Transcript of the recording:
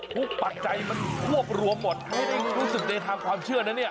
ปัจจัยมันควบรวมหมดไม่ได้รู้สึกในทางความเชื่อนะเนี่ย